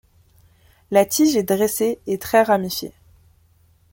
La tige est dressée et très ramifiée.